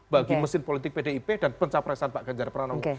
bagi mesin politik pdip dan pencapresan pak ganjar pranowo